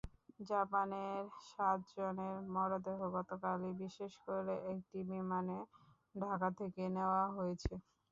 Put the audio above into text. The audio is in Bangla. জাপানের সাতজনের মরদেহ গতকালই বিশেষ একটি বিমানে ঢাকা থেকে নেওয়া হয়েছে।